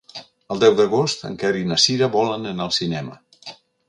El deu d'agost en Quer i na Cira volen anar al cinema.